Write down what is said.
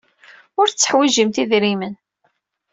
Ur tetteḥwijimt idrimen.